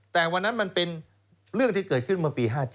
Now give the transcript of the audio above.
แต่วันนั้นมันเป็นเรื่องที่เกิดขึ้นเมื่อปี๕๗